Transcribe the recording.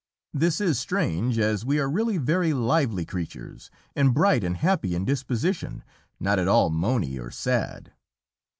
This is strange, as we are really very lively creatures, and bright and happy in disposition, not at all moany or sad.